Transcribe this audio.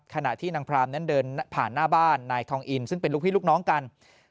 ขณะที่นางพรามนั้นเดินผ่านหน้าบ้านนายทองอินซึ่งเป็นลูกพี่ลูกน้องกัน